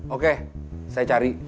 oke saya cari